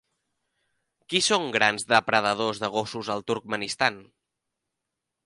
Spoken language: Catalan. Qui són grans depredadors de gossos al Turkmenistan?